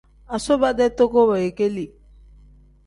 Asubo-dee toko weegeeli.